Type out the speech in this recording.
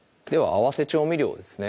合わせ調味料ですね